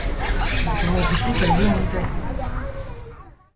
Le tournage du clip a eu lieu en Italie.